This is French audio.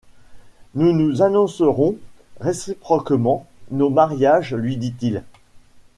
Nous nous annoncerons réciproquement nos mariages, lui dit-il.